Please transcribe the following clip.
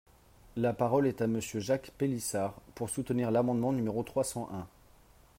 La parole est à Monsieur Jacques Pélissard, pour soutenir l’amendement numéro trois cent un.